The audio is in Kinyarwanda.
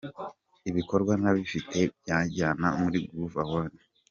Ibikorwa ndabifite byanjyana muri Groove Awards.